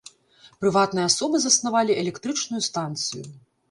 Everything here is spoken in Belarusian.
Прыватныя асобы заснавалі электрычную станцыю.